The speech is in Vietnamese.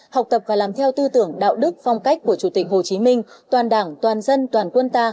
học tập và làm theo tư tưởng đạo đức phong cách của chủ tịch hồ chí minh toàn đảng toàn dân toàn quân ta